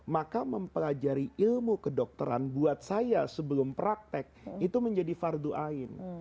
maka mempelajari ilmu kedokteran buat saya sebelum praktek itu menjadi fardu ain